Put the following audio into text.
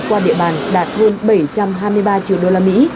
qua địa bàn đạt hơn bảy trăm hai mươi ba triệu đô la mỹ